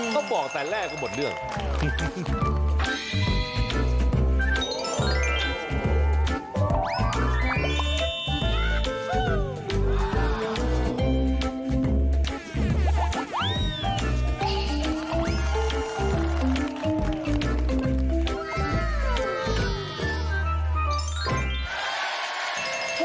เขาบอกแต่แรกก็บ่นเรื่อง